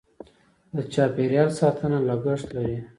د چاپیریال ساتنه لګښت لري.